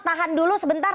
tahan dulu sebentar